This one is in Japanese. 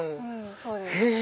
そうです。